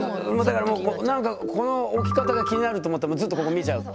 だからなんかこの置き方が気になると思ったらずっとここ見ちゃう。